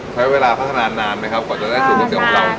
ใช้เวลาพัฒนานานมั้ยครับก่อจะได้สุดของเรา